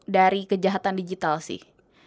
dari kejahatan digital sih